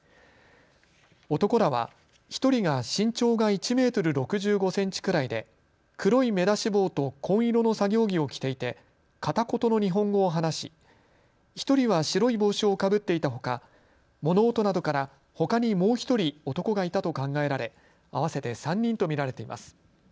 男らは１人が身長が１メートル６５センチくらいで黒い目出し帽と紺色の作業着を着ていて片言の日本語を話し１人は白い帽子をかぶっていたほか物音などから、ほかにもう１人男がいたと考えられ合わせて３人と見られています。